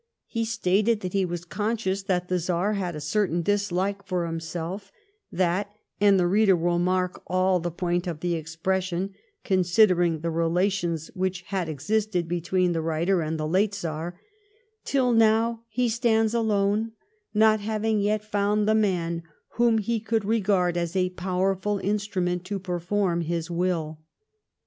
He stated that he was conscious that the Czar had a certain dislike for himself ; that — and the reader will mark all the point of the expression, considering the relations w hich had existed between the writer and the lute Czar —" till now he stands alone, not having yet found the man whom he could regard as a powerful instrument to perform his will."